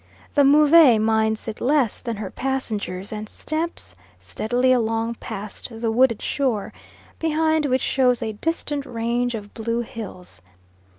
The Move minds it less than her passengers, and stamps steadily along past the wooded shore, behind which shows a distant range of blue hills.